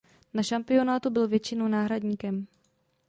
Na šampionátu byl většinou náhradníkem.